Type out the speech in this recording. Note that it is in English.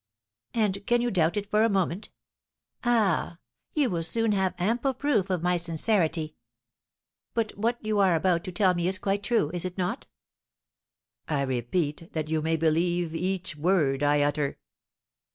"And can you doubt it for a moment? Ah, you will soon have ample proof of my sincerity. But what you are about to tell me is quite true, is it not?" "I repeat that you may believe each word I utter."